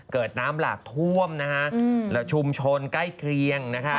เกิดน้ำหลากท่วมและชุมชนใกล้เคลียง